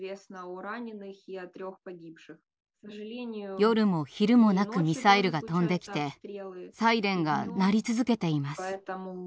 夜も昼もなくミサイルが飛んできてサイレンが鳴り続けています。